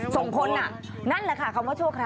ส่งผลนั่นแหละค่ะคำว่าชั่วคราว